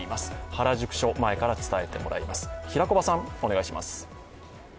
原宿署前から伝えてもらいます。